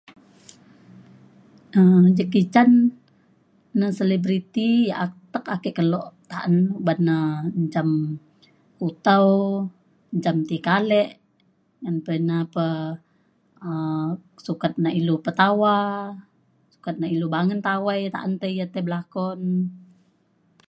um Jackie Chan neng selibriti yak atek ake kelo ta’an uban na njam kutau njam ti kalek ngan pa ina pa um sukat nak ilu petawa sukat nak ilu bangen tawai ta’an tei ia’ tei belakon.